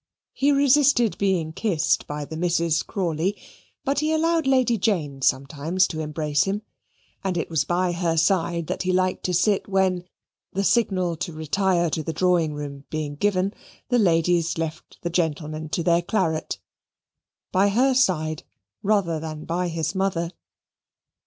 He resisted being kissed by the Misses Crawley, but he allowed Lady Jane sometimes to embrace him, and it was by her side that he liked to sit when, the signal to retire to the drawing room being given, the ladies left the gentlemen to their claret by her side rather than by his mother.